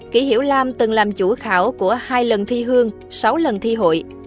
kỷ hiểu lam từng làm chủ khảo của hai lần thi hương sáu lần thi hội